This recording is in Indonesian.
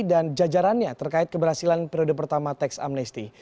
dan jajarannya terkait keberhasilan periode pertama teks amnesti